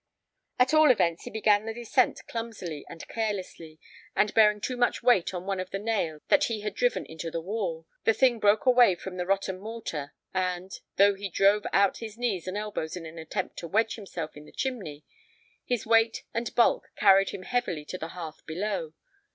At all events, he began the descent clumsily and carelessly, and, bearing too much weight on one of the nails that he had driven into the wall, the thing broke away from the rotten mortar, and, though he drove out his knees and elbows in an attempt to wedge himself in the chimney, his weight and bulk carried him heavily to the hearth below.